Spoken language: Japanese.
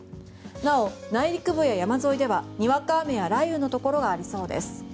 なお、内陸部や山沿いではにわか雨や雷雨のところがありそうです。